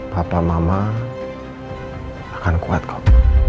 papa mama akan kuat kok